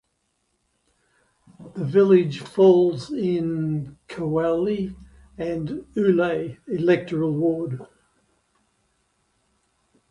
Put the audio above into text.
The village falls in 'Coaley and Uley' electoral ward.